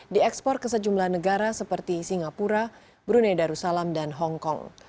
diekspor ke sejumlah negara seperti singapura brunei darussalam dan hongkong